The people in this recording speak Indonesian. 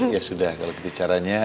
ya sudah kalau begitu caranya